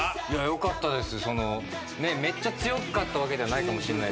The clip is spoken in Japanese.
よかったです。